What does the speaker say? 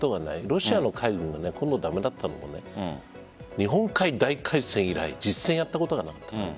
ロシアの海軍が今度駄目だったのも日本海大海戦以来実戦をやったことがなかったから。